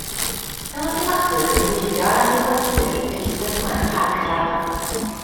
Fel adeiladwr bu'n gweithio ar adeiladu'r eisteddle ym Mharc yr Arfau.